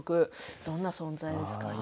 どんな存在ですか？